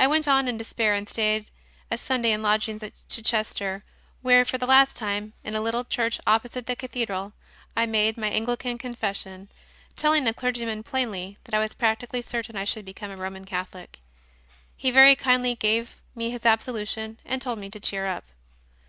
I went on in despair and stayed a Sunday in lodgings at Chichester, where for the last time, in a little church opposite the Cathedral, I made my Anglican Confession, telling the clergyman plainly that I was practically certain I should become a Roman Catholic. He very kindly gave me his absolution and told me to cheer up.